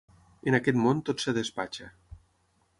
En aquest món tot es despatxa.